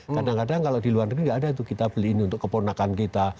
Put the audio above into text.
kadang kadang kalau di luar negeri tidak ada itu kita beli ini untuk keponakan kita